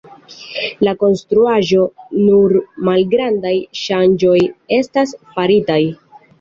En la konstruaĵo nur malgrandaj ŝanĝoj estas faritaj.